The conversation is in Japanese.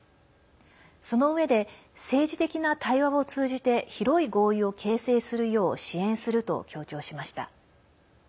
そのうえで政治的な対話を通じて広い合意を形成するよう支援すると強調しました。